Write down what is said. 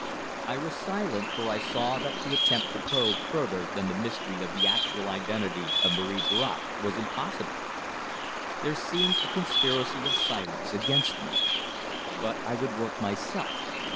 I was silent, for I saw that to attempt to probe further then the mystery of the actual identity of Marie Bracq was impossible. There seemed a conspiracy of silence against me. But I would work myself.